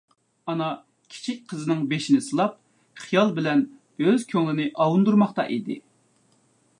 ئانا كىچىك قىزىنىڭ بېشىنى سىلاپ خىيال بىلەن ئۆز كۆڭلىنى ئاۋۇندۇرماقتا ئىدى.